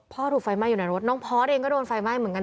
ถูกไฟไหม้อยู่ในรถน้องพอร์ตเองก็โดนไฟไหม้เหมือนกัน